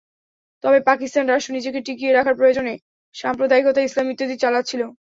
তবে পাকিস্তান রাষ্ট্র নিজেকে টিকিয়ে রাখার প্রয়োজনে সাম্প্রদায়িকতা, ইসলাম ইত্যাদি চালাচ্ছিল।